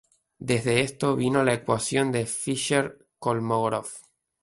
Desde esto vino la ecuación de Fisher–Kolmogorov.